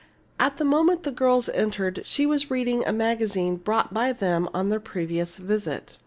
At the moment the girls entered she was reading a magazine brought by them on their previous visit.